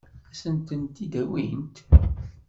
Ad sen-tent-id-awint?